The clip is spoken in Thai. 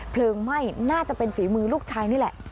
ไหม้น่าจะเป็นฝีมือลูกชายนี่แหละ